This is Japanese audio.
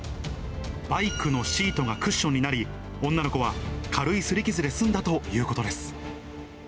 バイクのシートがクッションになり、女の子は軽いすり傷で済んだということです。